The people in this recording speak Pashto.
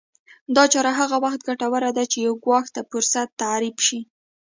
دا چاره هغه وخت ګټوره ده چې يو ګواښ ته فرصت تعريف شي.